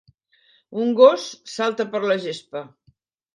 Un gos salta per la gespa